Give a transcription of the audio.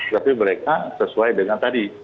tapi mereka sesuai dengan tadi